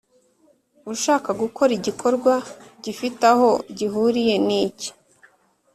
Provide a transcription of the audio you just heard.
ushaka gukora igikorwa gifite aho gihuriye nicye